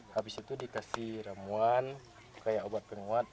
habis itu dikasih ramuan kayak obat penguat